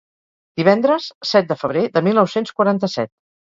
Divendres, set de febrer de mil nou-cents quaranta-set.